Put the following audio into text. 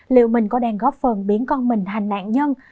liệu mình có đèn góp phần biến con mình thành nạn nhân